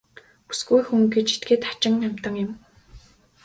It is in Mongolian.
Бүсгүй хүн гэж этгээд хачин амьтан юм.